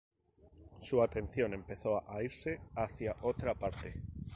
Su atención empezó a irse hacia otra parte.